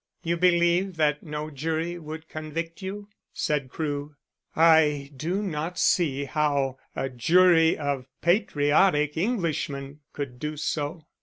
"You believe that no jury would convict you?" said Crewe. "I do not see how a jury of patriotic Englishmen could do so.